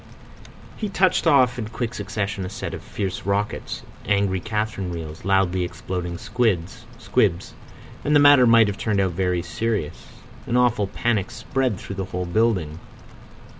He touched off in quick succession a set of fierce rockets, angry catherine wheels, loudly exploding squibs—and the matter might have turned out very serious. An awful panic spread through the whole building.